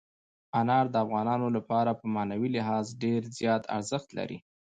انار د افغانانو لپاره په معنوي لحاظ ډېر زیات ارزښت لري.